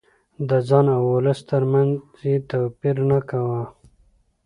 د ځان او ولس ترمنځ يې توپير نه کاوه.